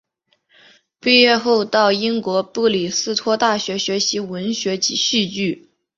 毕业后到英国布里斯托大学学习文学及戏剧。